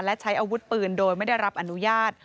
และใช้อาวุธปืนโดยไม่ได้รับอนุญาต